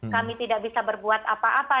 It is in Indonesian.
kami tidak bisa berbuat apa apa